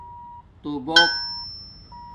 توبُوق